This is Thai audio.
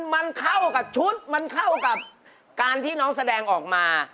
มันเข้ากับชุดมันเข้ากับการที่น้องแสดงออกมา